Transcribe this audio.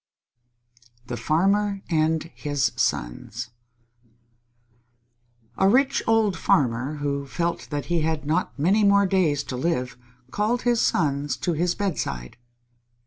_ THE FARMER AND HIS SONS A rich old farmer, who felt that he had not many more days to live, called his sons to his bedside.